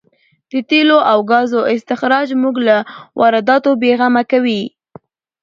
د تېلو او ګازو استخراج موږ له وارداتو بې غمه کوي.